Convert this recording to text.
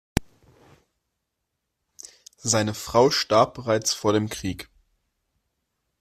Seine Frau starb bereits vor dem Krieg.